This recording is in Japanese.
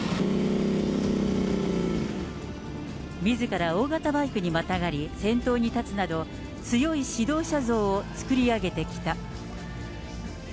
みずから大型バイクにまたがり先頭に立つなど、強い指導者像を作り上げてきた。